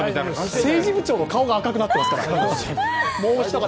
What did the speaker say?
政治部長の顔が赤くなってますから。